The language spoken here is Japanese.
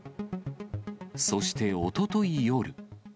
そしておととい夜。